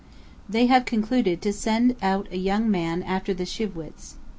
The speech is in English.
They have concluded to send out a young man after the Shi'vwits.